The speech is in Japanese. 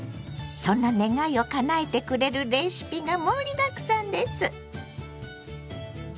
そんな願いをかなえてくれるレシピが盛りだくさんです！